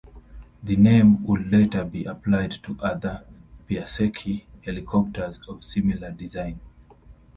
The name would later be applied to other Piasecki helicopters of similar design.